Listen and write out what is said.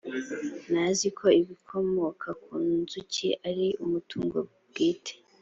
ntazi ko ibikomoka ku nzuki ari umutungo bwite